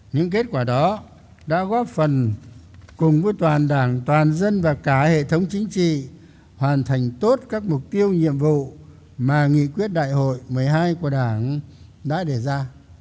những kết quả đó đã góp phần cùng với toàn đảng toàn dân và cả hệ thống chính trị hoàn thành tốt các mục tiêu nhiệm vụ mà nghị quyết đại hội một mươi hai của đảng đã đề ra